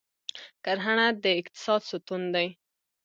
کرهڼه د اقتصاد ستون دی